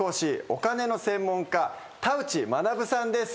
お金の専門家田内学さんです。